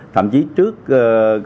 thậm chí trước